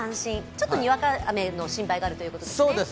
ちょっとにわか雨の心配があるんですね。